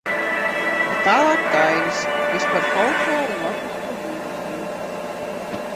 Bet tālāk dainas, viss par folkloru un latvisko dzīvesziņu.